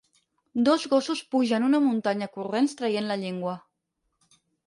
Dos gossos pugen una muntanya corrents traient la llengua.